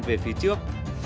về phía trước